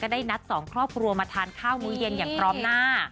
ได้นัดสองครอบครัวมาทานข้าวมื้อเย็นอย่างพร้อมหน้า